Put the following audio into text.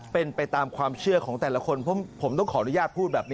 เป็นไปตามความเชื่อของแต่ละคนผมต้องขออนุญาตพูดแบบนี้